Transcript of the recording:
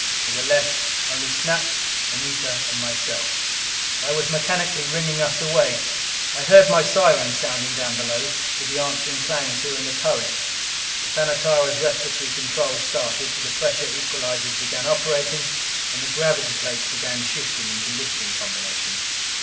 There were left only Snap, Anita and myself. I was mechanically ringing us away. I heard my sirens sounding down below, with the answering clangs here in the turret. The Planetara's respiratory controls started; the pressure equalizers began operating; and the gravity plates began shifting into lifting combinations.